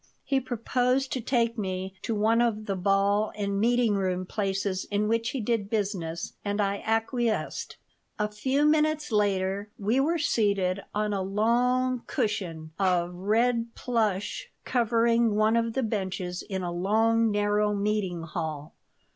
He proposed to take me to one of the ball and meeting room places in which he did business, and I acquiesced A few minutes later we were seated on a long cushion of red plush covering one of the benches in a long, narrow meeting hall.